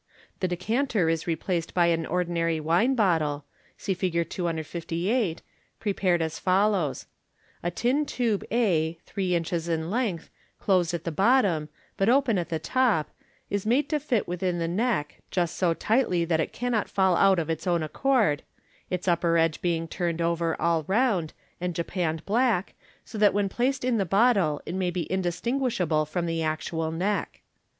The decanter is replaced by an ordinary wine bottle {see Fig. 258), prepared as follows: — A tin tube, a, three inches in length, closed at the bottom, but open at the top, is made to fit within the neck (just so tightly, that it cannot fall out of its own accord), its upper edge being turned over all round, and japanned black, so that when placed in the bottle it may be undistinguishable from the actual neck.